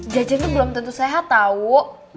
jajan tuh belum tentu sehat tau